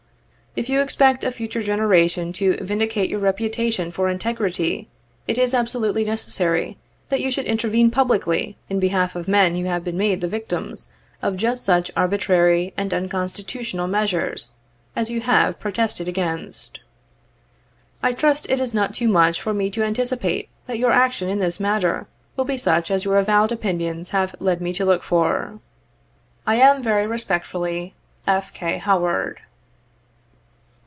If you expect a future generation to vindicate your reputation for integrity, it is absolutely necessary that you should intervene publicly in behalf of men who have been made the victims of just such arbitrary and unconstitutional measures as you have pro tested against. I trust it is not too much for me to anticipate that your action in this matter will be such as your avowed opinions have led me to look for. "I am, very respectfully, "F. K. HOWAED."